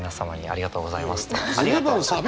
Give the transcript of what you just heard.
ありがとうございます。